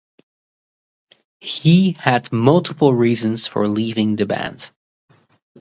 He had multiple reasons for leaving the band.